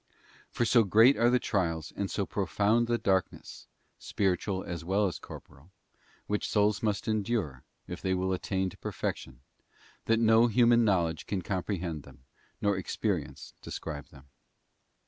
For so great are the trials, and so profound the dark ness, spiritual as well as corporal, which souls must endure, if they will attain to perfection, that no human knowledge can comprehend them, nor experience describe them.